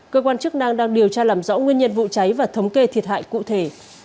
cơ quan chức năng đang điều tra làm rõ nguyên nhân vụ cháy và thống kê thiệt hại cụ thể